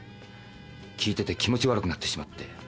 聴いてて気持ち悪くなってしまって。